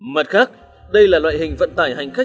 mặt khác đây là loại hình vận tải hành công của hà nội